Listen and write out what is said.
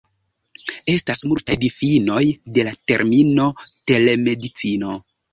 Estas multaj difinoj de la termino "Telemedicino".